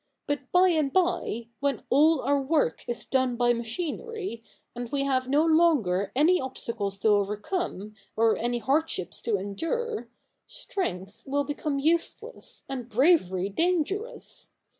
But by and by, when all our work is done by machinery, and we have no longer any obstacles to overcome, or any hardships to endure, strength will become useless, and bravery dangerous.